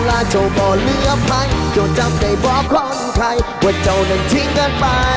ลาเจ้าบ่อเหลือภัยเจ้าจำได้บอกคนไทยว่าเจ้านั้นทิ้งกันไป